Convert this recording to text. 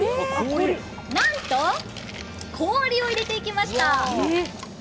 なんと氷を入れていきました。